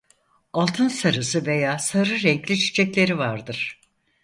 Altın sarısı veya sarı renkli çiçekleri vardır.